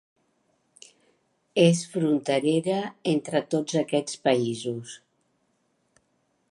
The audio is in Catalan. És fronterera entre tots aquests països.